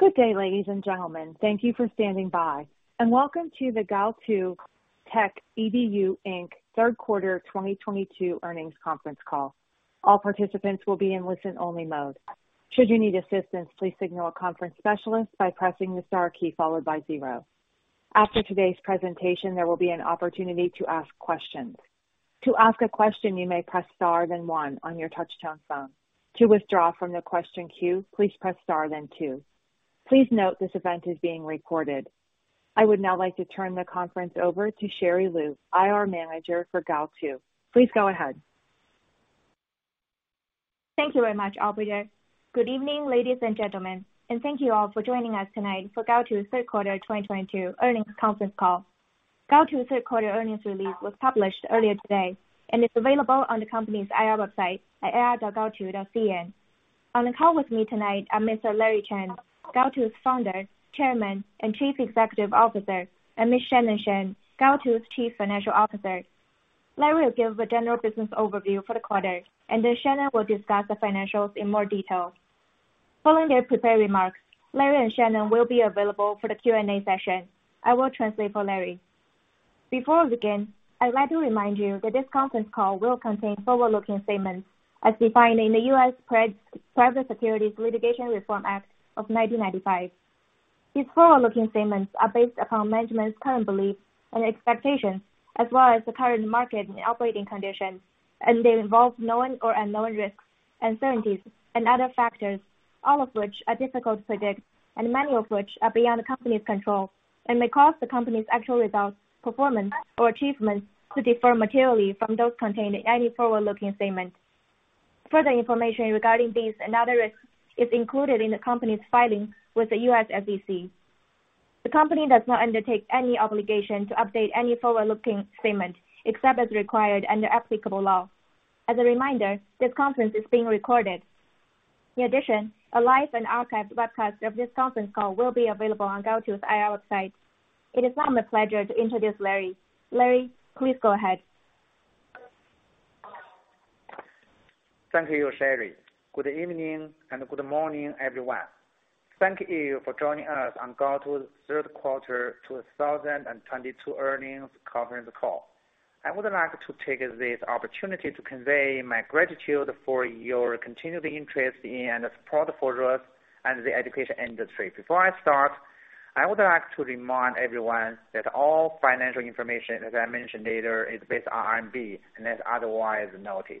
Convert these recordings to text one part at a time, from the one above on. Good day, ladies and gentlemen. Thank you for standing by, and welcome to the Gaotu Techedu Inc. third quarter 2022 earnings conference call. All participants will be in listen-only mode. Should you need assistance, please signal a conference specialist by pressing the star key followed by 0. After today's presentation, there will be an opportunity to ask questions. To ask a question, you may press star then one on your touchtone phone. To withdraw from the question queue, please press star then two. Please note this event is being recorded. I would now like to turn the conference over to Sherry Lu, IR Manager for Gaotu. Please go ahead. Thank you very much, Operator. Good evening, ladies and gentlemen, and thank you all for joining us tonight for Gaotu's third quarter 2022 earnings conference call. Gaotu's third quarter earnings release was published earlier today, and it's available on the company's IR website at ir.gaotu.cn. On the call with me tonight are Mr. Larry Chen, Gaotu's Founder, Chairman, and Chief Executive Officer, and Ms. Shannon Shen, Gaotu's Chief Financial Officer. Larry will give a general business overview for the quarter, and then Shannon will discuss the financials in more detail. Following their prepared remarks, Larry and Shannon will be available for the Q&A session. I will translate for Larry. Before we begin, I'd like to remind you that this conference call will contain forward-looking statements as defined in the U.S. Private Securities Litigation Reform Act of 1995. These forward-looking statements are based upon management's current beliefs and expectations, as well as the current market and operating conditions, and they involve known or unknown risks, uncertainties, and other factors, all of which are difficult to predict, and many of which are beyond the company's control, and may cause the company's actual results, performance, or achievements to differ materially from those contained in any forward-looking statement. Further information regarding these and other risks is included in the company's filings with the US SEC. The company does not undertake any obligation to update any forward-looking statement, except as required under applicable law. As a reminder, this conference is being recorded. In addition, a live and archived webcast of this conference call will be available on Gaotu's IR website. It is now my pleasure to introduce Larry. Larry, please go ahead. Thank you, Sherry. Good evening and good morning, everyone. Thank you for joining us on Gaotu's third quarter 2022 earnings conference call. I would like to take this opportunity to convey my gratitude for your continued interest and support for us and the education industry. Before I start, I would like to remind everyone that all financial information, as I mention later, is based on RMB, unless otherwise noted.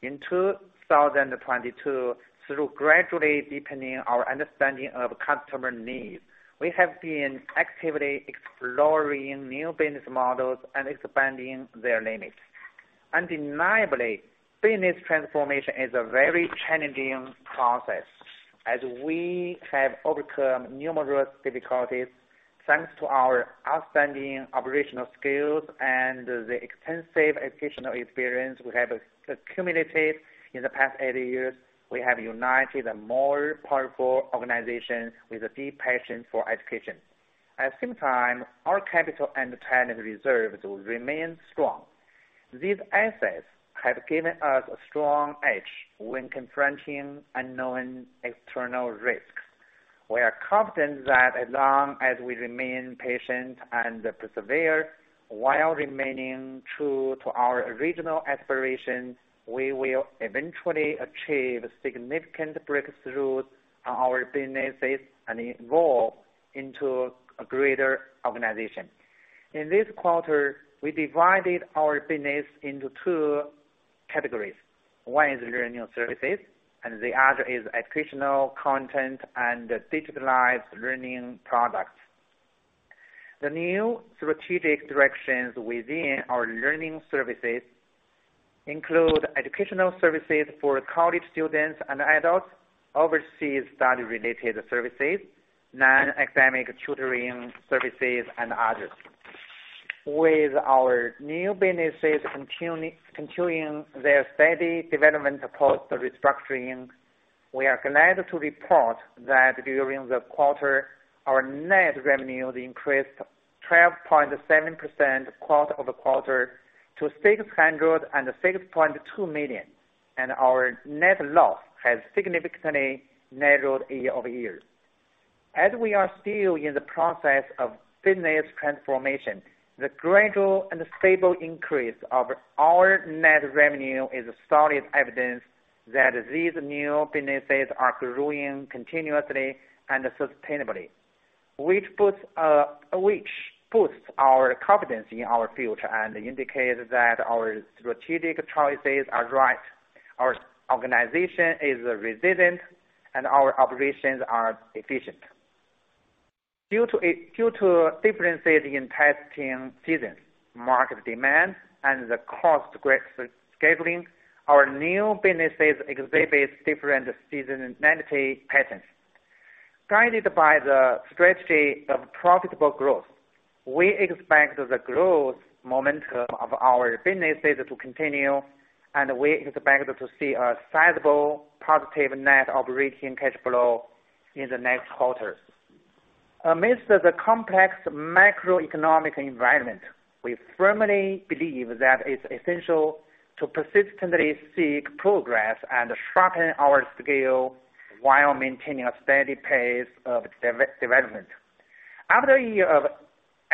In 2022, through gradually deepening our understanding of customer needs, we have been actively exploring new business models and expanding their limits. Undeniably, business transformation is a very challenging process. As we have overcome numerous difficulties, thanks to our outstanding operational skills and the extensive educational experience we have accumulated in the past eight years, we have united a more powerful organization with a deep passion for education. At the same time, our capital and talent reserves remain strong. These assets have given us a strong edge when confronting unknown external risks. We are confident that as long as we remain patient and persevere while remaining true to our original aspirations, we will eventually achieve significant breakthroughs in our businesses and evolve into a greater organization. In this quarter, we divided our business into two categories. One is learning services, and the other is educational content and digitalized learning products. The new strategic directions within our learning services include educational services for college students and adults, overseas study-related services, non-academic tutoring services, and others. With our new businesses continuing their steady development post-restructuring, we are glad to report that during the quarter, our net revenues increased 12.7% quarter-over-quarter to 606.2 million, and our net loss has significantly narrowed year-over-year. As we are still in the process of business transformation, the gradual and stable increase of our net revenue is solid evidence that these new businesses are growing continuously and sustainably. Which boosts our confidence in our future and indicates that our strategic choices are right, our organization is resilient, and our operations are efficient. Due to differences in testing seasons, market demand, and the cost scheduling, our new businesses exhibit different seasonality patterns. Guided by the strategy of profitable growth, we expect the growth momentum of our businesses to continue, and we expect to see a sizable positive net operating cash flow in the next quarter. Amidst the complex macroeconomic environment, we firmly believe that it's essential to persistently seek progress and sharpen our skill while maintaining a steady pace of development. After a year of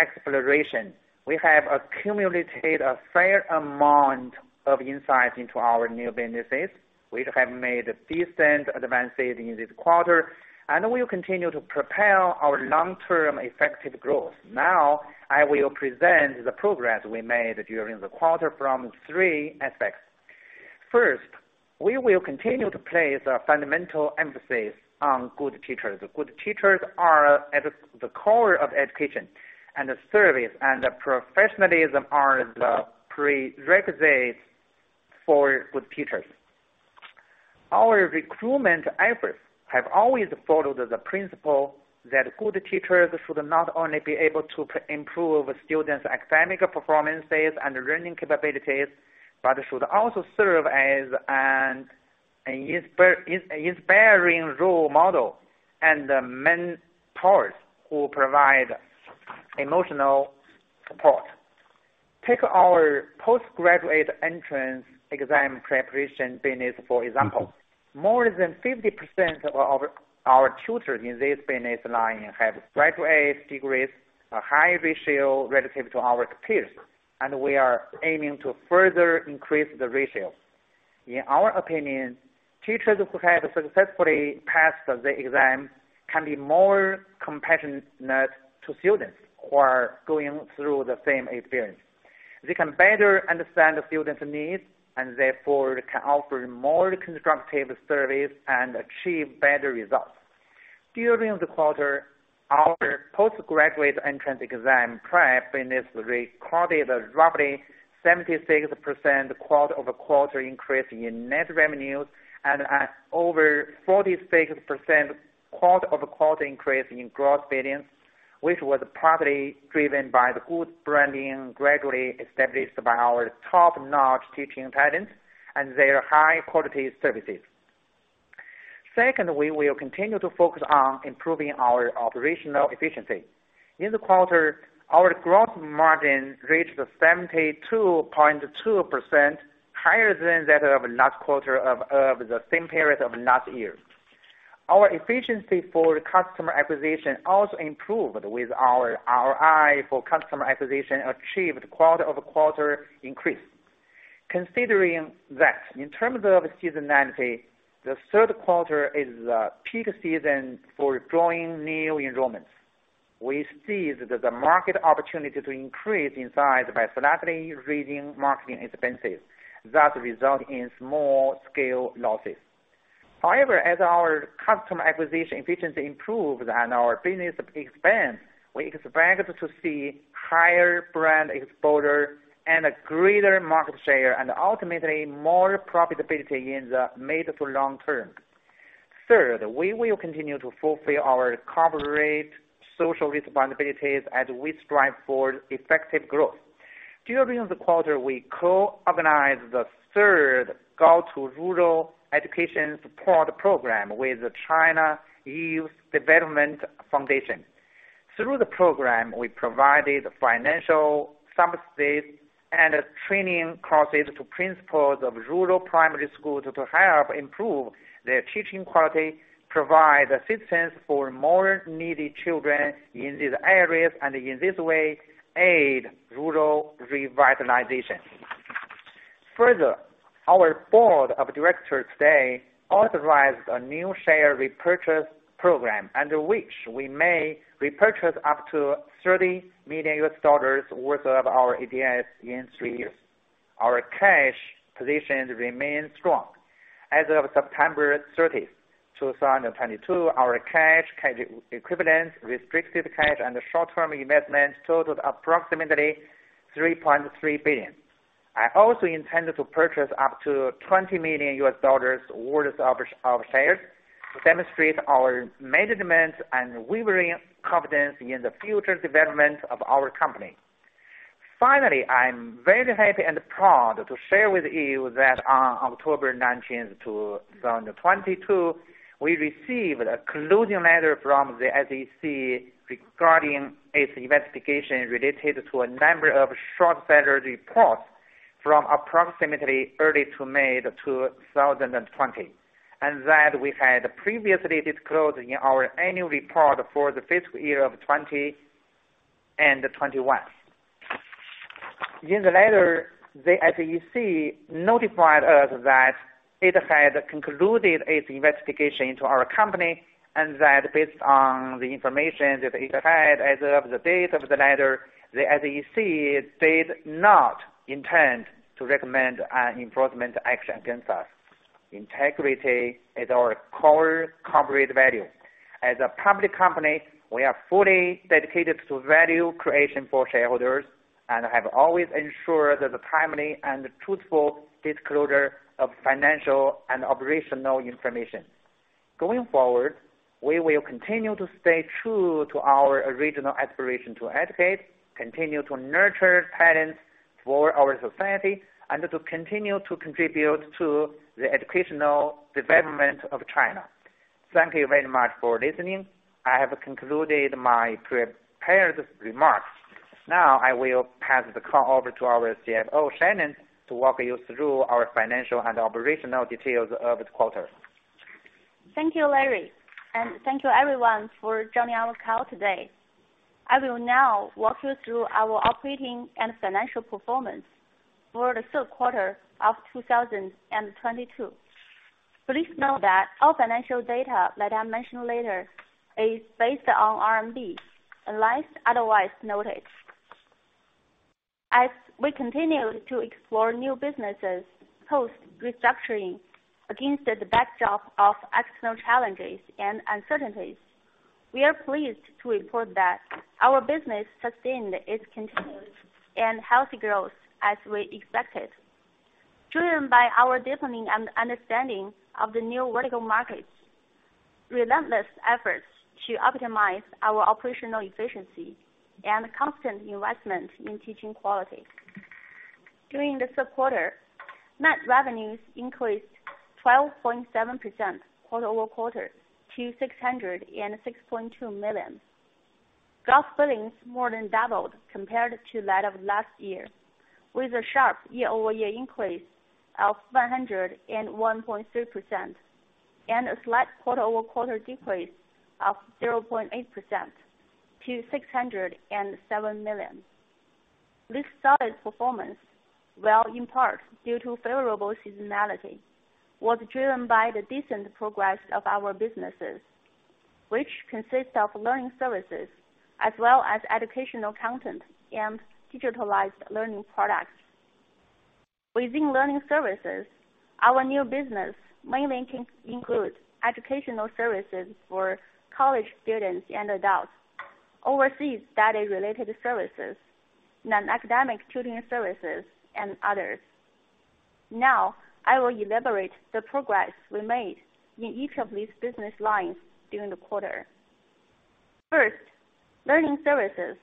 exploration, we have accumulated a fair amount of insights into our new businesses. We have made decent advances in this quarter, and we'll continue to propel our long-term effective growth. Now, I will present the progress we made during the quarter from three aspects. First, we will continue to place a fundamental emphasis on good teachers. Good teachers are at the core of education, and service and professionalism are the prerequisite for good teachers. Our recruitment efforts have always followed the principle that good teachers should not only be able to improve students' academic performances and learning capabilities, but should also serve as an inspiring role model, and mentors who provide emotional support. Take our postgraduate entrance exam preparation business, for example. More than 50% of our tutors in this business line have graduate degrees, a high ratio relative to our peers, and we are aiming to further increase the ratio. In our opinion, teachers who have successfully passed the exam can be more compassionate to students who are going through the same experience. They can better understand the students' needs, and therefore, can offer more constructive service and achieve better results. During the quarter, our postgraduate entrance exam prep business recorded a roughly 76% quarter-over-quarter increase in net revenues and an over 46% quarter-over-quarter increase in gross billings, which was partly driven by the good branding gradually established by our top-notch teaching talents and their high-quality services. Second, we will continue to focus on improving our operational efficiency. In the quarter, our gross margin reached 72.2% higher than that of last quarter of the same period of last year. Our efficiency for customer acquisition also improved with our ROI for customer acquisition achieved quarter-over-quarter increase. Considering that in terms of seasonality, the third quarter is the peak season for drawing new enrollments. We see the market opportunity to increase in size by slightly raising marketing expenses that result in small-scale losses. As our customer acquisition efficiency improves and our business expands, we expect to see higher brand exposure and a greater market share, and ultimately more profitability in the mid to long term. 3rd, we will continue to fulfill our corporate social responsibilities as we strive for effective growth. During the quarter, we co-organized the 3rd Gaotu Rural Education Support Program with the China Youth Development Foundation. Through the program, we provided financial subsidies and training courses to principals of rural primary schools to help improve their teaching quality, provide assistance for more needy children in these areas, and in this way, aid rural revitalization. Our board of directors today authorized a new share repurchase program under which we may repurchase up to $30 million worth of our ADS in three years. Our cash position remains strong. As of September 30th, 2022, our cash equivalents, restricted cash, and short-term investments totaled approximately 3.3 billion. I also intended to purchase up to $20 million U.S. dollars worth of shares to demonstrate our management and unwavering confidence in the future development of our company. Finally, I'm very happy and proud to share with you that on October 19th, 2022, we received a conclusion letter from the SEC regarding its investigation related to a number of short seller reports from approximately early to mid 2020. That we had previously disclosed in our annual report for the fifth year of 2020 and 2021. In the letter, the SEC notified us that it had concluded its investigation into our company, and that based on the information that it had as of the date of the letter, the SEC did not intend to recommend an enforcement action against us. Integrity is our core corporate value. As a public company, we are fully dedicated to value creation for shareholders and have always ensured the timely and truthful disclosure of financial and operational information. Going forward, we will continue to stay true to our original aspiration to educate, continue to nurture talents-For our society and to continue to contribute to the educational development of China. Thank you very much for listening. I have concluded my prepared remarks. Now, I will pass the call over to our CFO, Shannon, to walk you through our financial and operational details of the quarter. Thank you, Larry. Thank you everyone for joining our call today. I will now walk you through our operating and financial performance for the third quarter of 2022. Please note that all financial data that I mention later is based on RMB, unless otherwise noted. As we continue to explore new businesses, post-restructuring against the backdrop of external challenges and uncertainties, we are pleased to report that our business sustained its continuous and healthy growth as we expected, driven by our deepening and understanding of the new vertical markets, relentless efforts to optimize our operational efficiency, and constant investment in teaching quality. During the third quarter, net revenues increased 12.7% quarter-over-quarter to 606.2 million. Gross billings more than doubled compared to that of last year, with a sharp year-over-year increase of 101.3%, and a slight quarter-over-quarter decrease of 0.8% to 607 million. This solid performance, well in part due to favorable seasonality, was driven by the decent progress of our businesses, which consist of learning services as well as educational content and digitalized learning products. Within learning services, our new business mainly can include educational services for college students and adults, overseas study related services, non-academic tutoring services, and others. I will elaborate the progress we made in each of these business lines during the quarter. First, learning services,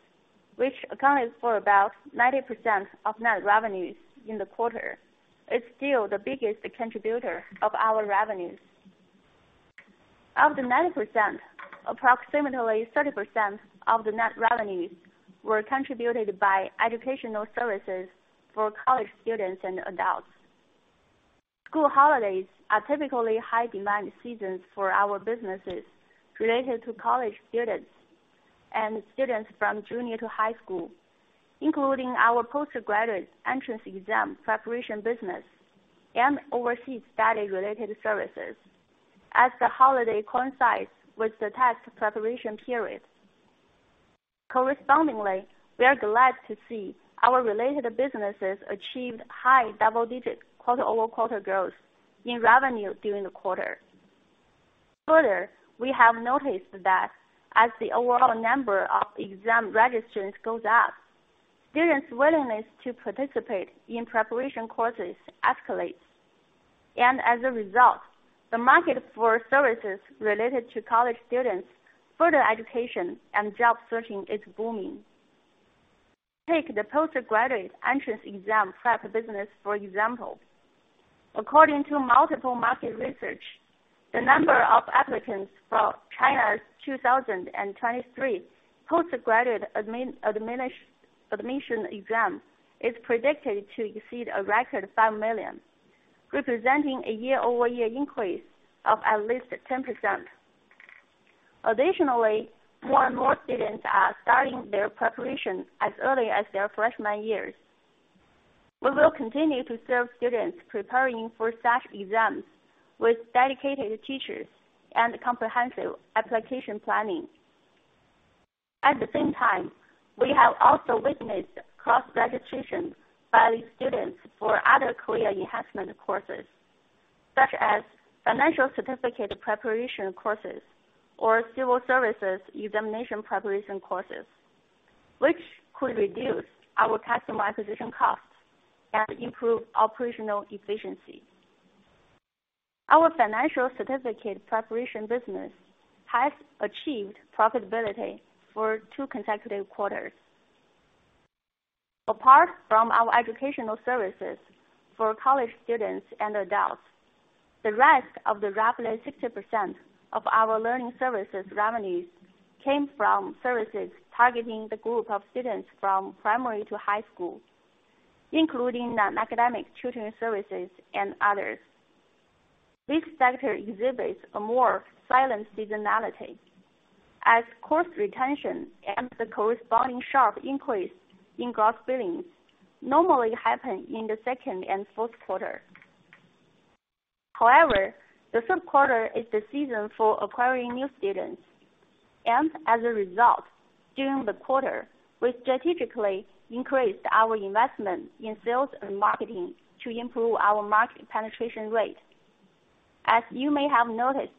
which accounted for about 90% of net revenues in the quarter, is still the biggest contributor of our revenues. Of the 90%, approximately 30% of the net revenues were contributed by educational services for college students and adults. School holidays are typically high demand seasons for our businesses related to college students and students from junior to high school, including our postgraduate entrance exam preparation business and overseas study related services, as the holiday coincides with the test preparation period. We are glad to see our related businesses achieved high double-digit quarter-over-quarter growth in revenue during the quarter. We have noticed that as the overall number of exam registrants goes up, students' willingness to participate in preparation courses escalates. As a result, the market for services related to college students' further education and job searching is booming. Take the postgraduate entrance exam prep business, for example. According to multiple market research, the number of applicants for China's 2023 postgraduate admission exam is predicted to exceed a record 5 million, representing a year-over-year increase of at least 10%. Additionally, more and more students are starting their preparation as early as their freshman years. We will continue to serve students preparing for such exams with dedicated teachers and comprehensive application planning. At the same time, we have also witnessed cross-registration by students for other career enhancement courses, such as financial certificate preparation courses or civil services examination preparation courses, which could reduce our customer acquisition costs and improve operational efficiency. Our financial certificate preparation business has achieved profitability for two consecutive quarters. Apart from our educational services for college students and adults, the rest of the roughly 60% of our learning services revenues came from services targeting the group of students from primary to high school, including non-academic tutoring services and others. This sector exhibits a more silent seasonality as course retention and the corresponding sharp increase in gross billings normally happen in the second and fourth quarter. However, the third quarter is the season for acquiring new students. As a result, during the quarter, we strategically increased our investment in sales and marketing to improve our market penetration rate. As you may have noticed,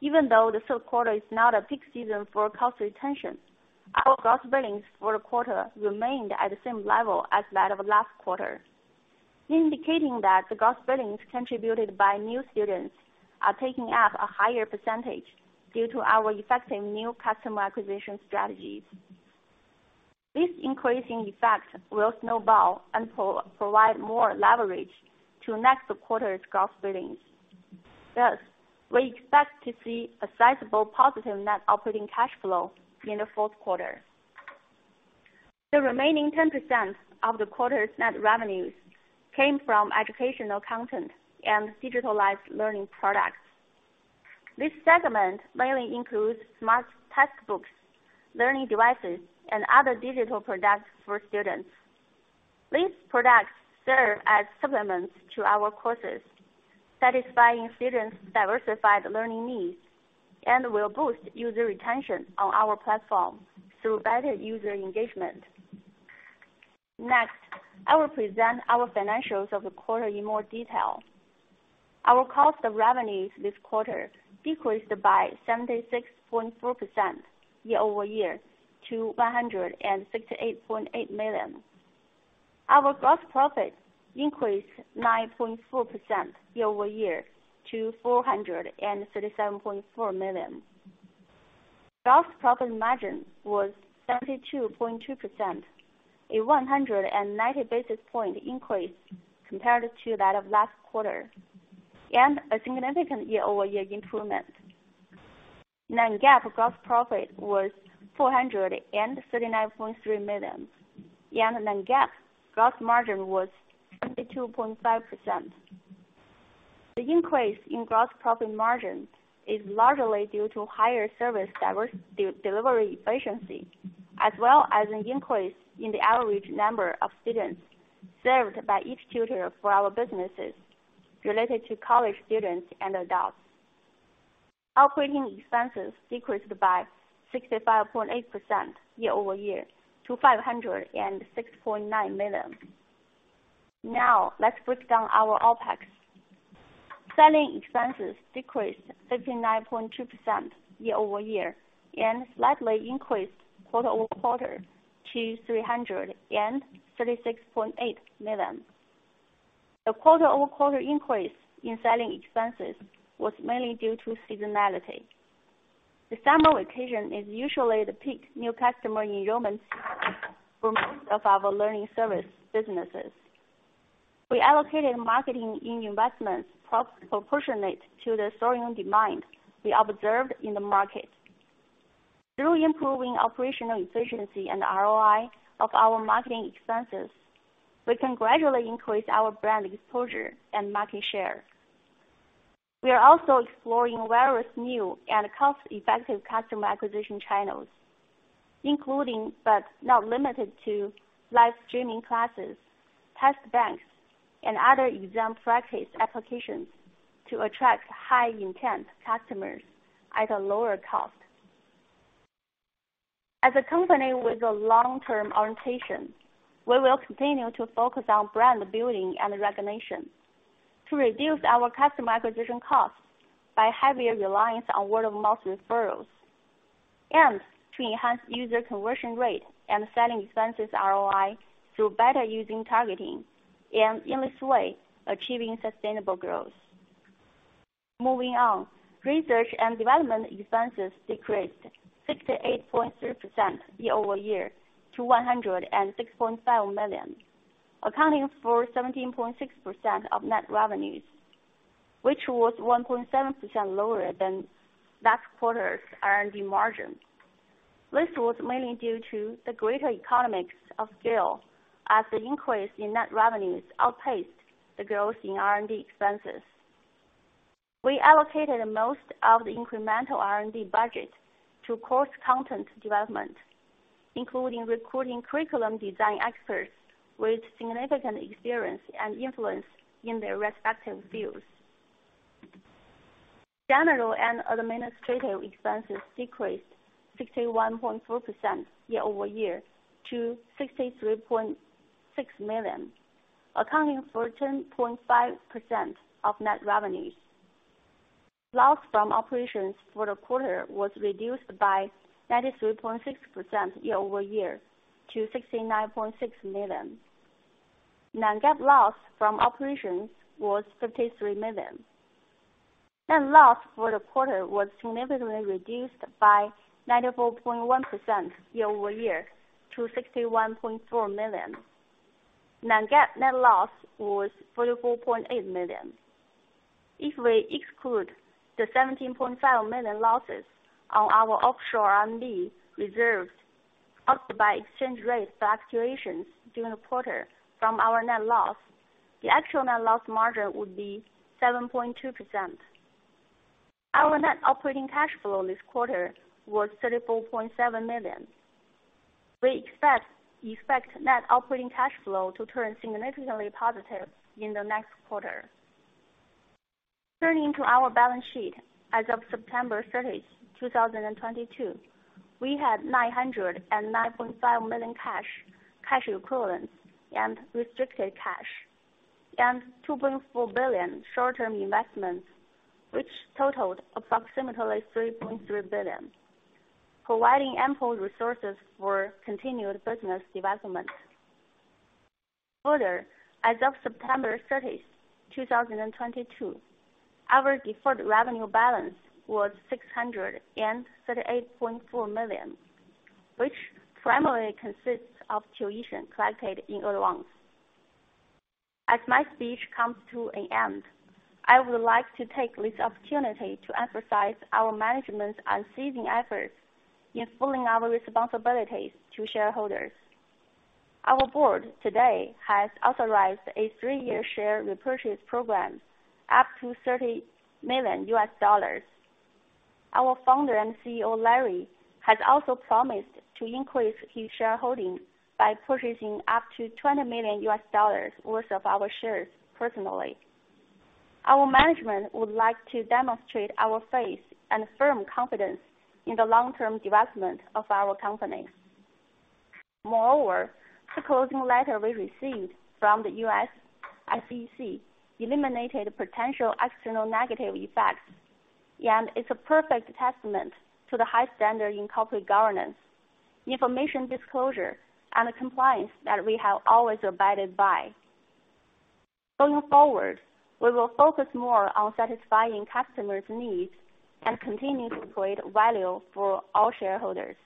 even though the third quarter is not a peak season for customer retention, our gross billings for the quarter remained at the same level as that of last quarter. Indicating that the gross billings contributed by new students are taking up a higher percentage due to our effective new customer acquisition strategies. This increasing effect will snowball and provide more leverage to next quarter's gross billings. Thus, we expect to see a sizable positive net operating cash flow in the fourth quarter. The remaining 10% of the quarter's net revenues came from educational content and digitalized learning products. This segment mainly includes smart textbooks, learning devices, and other digital products for students. These products serve as supplements to our courses, satisfying students' diversified learning needs, and will boost user retention on our platform through better user engagement. Next, I will present our financials of the quarter in more detail. Our cost of revenues this quarter decreased by 76.4% year-over-year to 168.8 million. Our gross profit increased 9.4% year-over-year to 437.4 million. Gross profit margin was 72.2%, a 190 basis point increase compared to that of last quarter, and a significant year-over-year improvement. Non-GAAP gross profit was 439.3 million, and Non-GAAP gross margin was 22.5%. The increase in gross profit margin is largely due to higher service delivery efficiency, as well as an increase in the average number of students served by each tutor for our businesses related to college students and adults. Operating expenses decreased by 65.8% year-over-year to 506.9 million. Let's break down our OpEx. Selling expenses decreased 59.2% year-over-year, and slightly increased quarter-over-quarter to RMB 336.8 million. The quarter-over-quarter increase in selling expenses was mainly due to seasonality. The summer vacation is usually the peak new customer enrollments for most of our learning service businesses. We allocated marketing in investments proportionate to the soaring demand we observed in the market. Through improving operational efficiency and ROI of our marketing expenses, we can gradually increase our brand exposure and market share. We are also exploring various new and cost-effective customer acquisition channels, including, but not limited to, live streaming classes, test banks, and other exam practice applications to attract high intent customers at a lower cost. As a company with a long-term orientation, we will continue to focus on brand building and recognition to reduce our customer acquisition costs by heavier reliance on word of mouth referrals, and to enhance user conversion rate and selling expenses ROI through better using targeting, and in this way, achieving sustainable growth. Moving on. Research and development expenses decreased 68.3% year-over-year to 106.5 million, accounting for 17.6% of net revenues, which was 1.7% lower than last quarter's R&D margin. This was mainly due to the greater economics of scale, as the increase in net revenues outpaced the growth in R&D expenses. We allocated most of the incremental R&D budget to course content development, including recruiting curriculum design experts with significant experience and influence in their respective fields. General and administrative expenses decreased 61.4% year-over-year to 63.6 million, accounting for 10.5% of net revenues. Loss from operations for the quarter was reduced by 93.6% year-over-year to 69.6 million. Non-GAAP loss from operations was 53 million. Net loss for the quarter was significantly reduced by 94.1% year-over-year to 61.4 million. Non-GAAP net loss was 44.8 million. If we exclude the 17.5 million losses on our offshore R&D reserves caused by exchange rate fluctuations during the quarter from our net loss, the actual net loss margin would be 7.2%. Our net operating cash flow this quarter was 34.7 million. We expect net operating cash flow to turn significantly positive in the next quarter. Turning to our balance sheet. As of September 30, 2022, we had $909.5 million cash equivalents, and restricted cash, and $2.4 billion short-term investments, which totaled approximately 3.3 billion. Providing ample resources for continued business development. As of September 30, 2022, our deferred revenue balance was $638.4 million, which primarily consists of tuition collected in advance. As my speech comes to an end, I would like to take this opportunity to emphasize our management's unceasing efforts in fulfilling our responsibilities to shareholders. Our board today has authorized a three-year share repurchase program up to $30 million. Our founder and CEO, Larry, has also promised to increase his shareholding by purchasing up to $20 million worth of our shares personally. Our management would like to demonstrate our faith and firm confidence in the long-term development of our company. Moreover, the closing letter we received from the US SEC eliminated potential external negative effects, and it's a perfect testament to the high standard in corporate governance, information disclosure, and compliance that we have always abided by. Going forward, we will focus more on satisfying customers' needs and continuing to create value for all shareholders.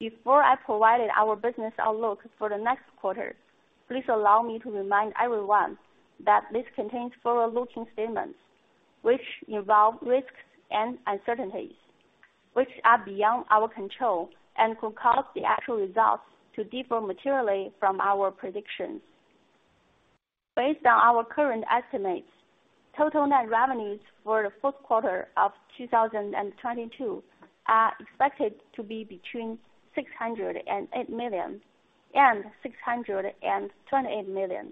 Before I provide our business outlook for the next quarter, please allow me to remind everyone that this contains forward-looking statements which involve risks and uncertainties, which are beyond our control and could cause the actual results to differ materially from our predictions. Based on our current estimates, total net revenues for the fourth quarter of 2022 are expected to be between 608 million and 628 million,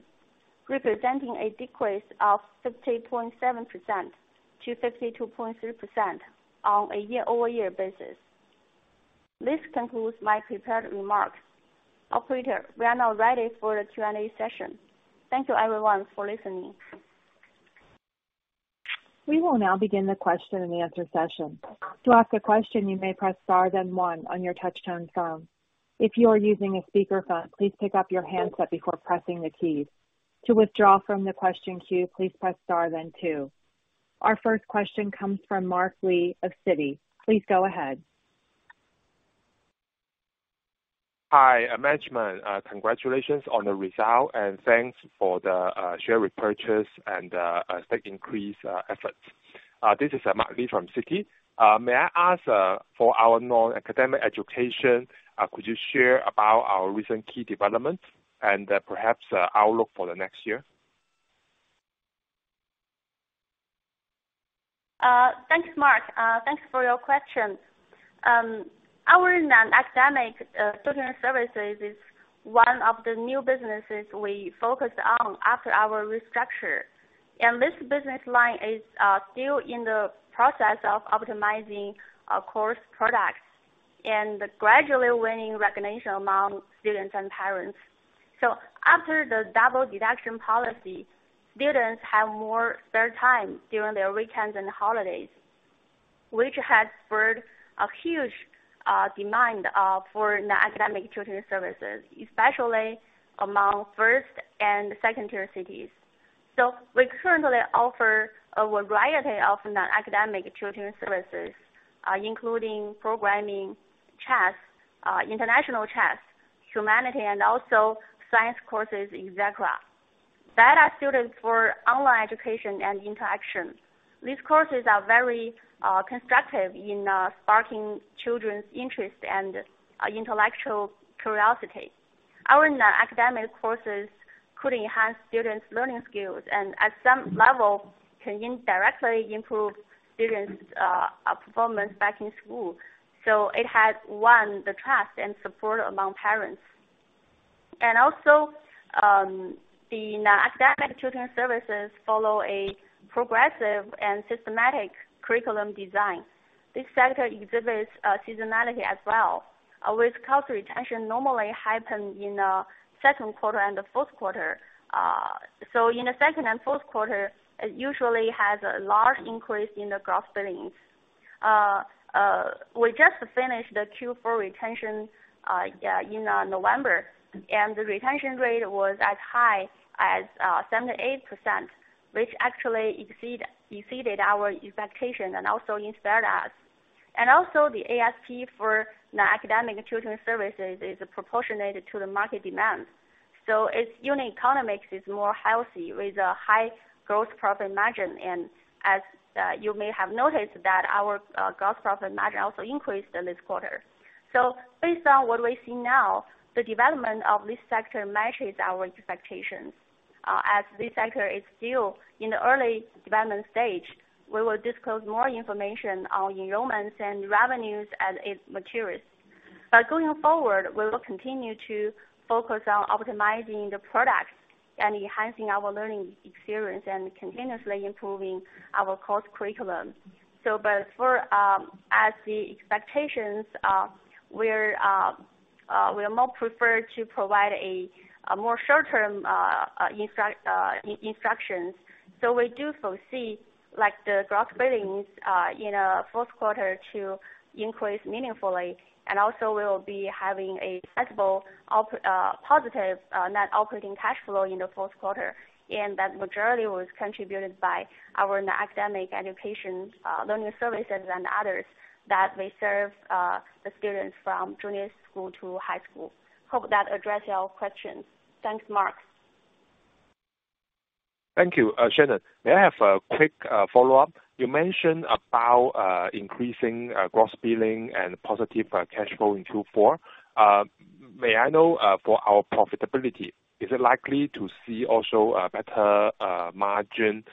representing a decrease of 50.7%-52.3% on a year-over-year basis. This concludes my prepared remarks. Operator, we are now ready for the Q&A session. Thank you everyone for listening. We will now begin the question-and-answer session. To ask a question, you may press star then one on your touchtone phone. If you are using a speakerphone, please pick up your handset before pressing the keys. To withdraw from the question queue, please press star then two. Our first question comes from Mark Li of Citi. Please go ahead. Hi, management. Congratulations on the result, and thanks for the share repurchase and stock increase efforts. This is Mark Li from Citi. May I ask for our non-academic education, could you share about our recent key developments and perhaps outlook for the next year? Thanks, Mark. Thanks for your question. Our non-academic tutoring services is one of the new businesses we focused on after our restructure. This business line is still in the process of optimizing our course products and gradually winning recognition among students and parents. After the double reduction policy, students have more spare time during their weekends and holidays, which has spurred a huge demand for non-academic tutoring services, especially among first and second-tier cities. We currently offer a variety of non-academic tutoring services, including programming, chess, international chess, humanity, and also science courses, etc, that are suited for online education and interaction. These courses are very constructive in sparking children's interest and intellectual curiosity. Our non-academic courses could enhance students' learning skills and at some level can indirectly improve students' performance back in school. It has won the trust and support among parents. The non-academic tutoring services follow a progressive and systematic curriculum design. This sector exhibits seasonality as well, with customer retention normally happen in the second quarter and the fourth quarter. In the second and fourth quarter, it usually has a large increase in the gross billings. We just finished the Q4 retention in November, and the retention rate was as high as 78%, which actually exceeded our expectation and also inspired us. The ASP for non-academic tutoring services is proportionate to the market demands. Its unit economics is more healthy with a high gross profit margin. As you may have noticed that our gross profit margin also increased in this quarter. Based on what we see now, the development of this sector matches our expectations. As this sector is still in the early development stage, we will disclose more information on enrollments and revenues as it matures. Going forward, we will continue to focus on optimizing the products and enhancing our learning experience and continuously improving our course curriculum. But for, as the expectations, we are more preferred to provide a more short-term instructions. We do foresee like the gross billings, in fourth quarter to increase meaningfully. Also we'll be having a sensible positive net operating cash flow in the fourth quarter, and that majority was contributed by our academic education, learning services and others that may serve the students from junior school to high school. Hope that address your questions. Thanks, Mark. Thank you, Shannon. May I have a quick follow-up? You mentioned about increasing gross billing and positive cash flow in Q4. May I know, for our profitability, is it likely to see also a better margin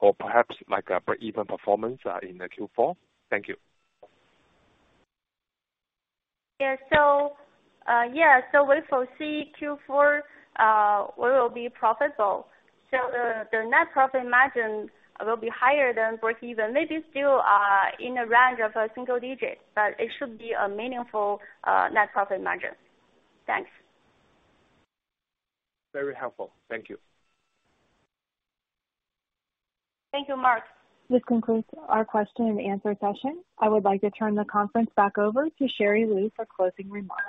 or perhaps like a breakeven performance in the Q4? Thank you. Yeah. Yeah, so we foresee Q4, we will be profitable. The net profit margin will be higher than breakeven. Maybe still, in a range of a single digits, but it should be a meaningful, net profit margin. Thanks. Very helpful. Thank you. Thank you, Mark. This concludes our question and answer session. I would like to turn the conference back over to Sherry Lu for closing remarks.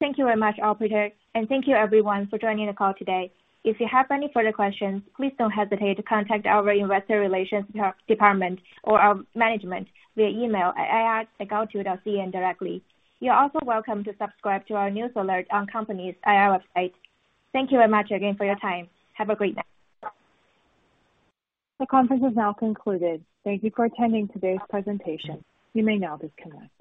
Thank you very much, operator, thank you everyone for joining the call today. If you have any further questions, please don't hesitate to contact our investor relations department or our management via email at ir@gaotu.cn directly. You're also welcome to subscribe to our news alert on company's IR website. Thank you very much again for your time. Have a great night. The conference is now concluded. Thank you for attending today's presentation. You may now disconnect.